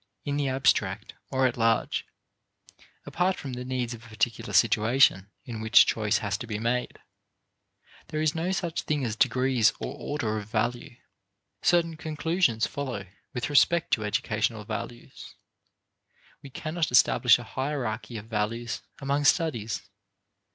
In the abstract or at large, apart from the needs of a particular situation in which choice has to be made, there is no such thing as degrees or order of value. Certain conclusions follow with respect to educational values. We cannot establish a hierarchy of values among studies.